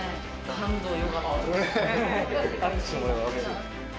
感動、よかった！